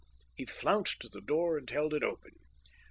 He flounced to the door and held it open.